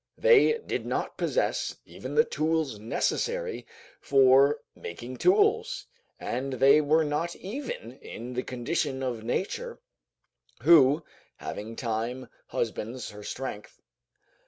They did not possess even the tools necessary for making tools, and they were not even in the condition of nature, who, "having time, husbands her strength."